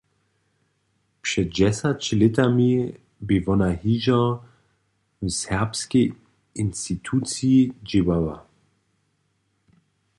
Před dźesać lětami bě wona hižo w serbskej instituciji dźěłała.